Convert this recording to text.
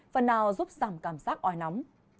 phần nào giúp giảm cảm giác oi nóng